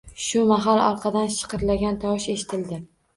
Shu mahal orqadan shiqirlagan tovush eshitildi